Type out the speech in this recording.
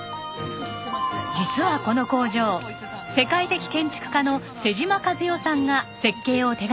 実はこの工場世界的建築家の妹島和世さんが設計を手掛けています。